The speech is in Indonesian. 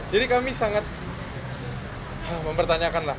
jadi kami sangat mempertanyakan lah